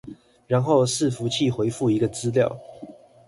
然後伺服器回覆一個資料